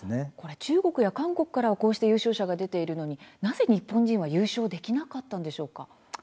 中国や韓国の優勝者が出ているのに、なぜ日本人は優勝できなかったんでしょうか。